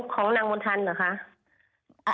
ของนางมนทันเหรอคะ